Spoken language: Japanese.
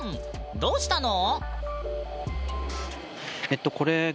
どうしたの？